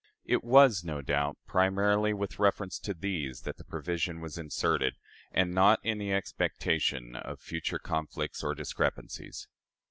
It was, no doubt, primarily with reference to these that the provision was inserted, and not in the expectation of future conflicts or discrepancies.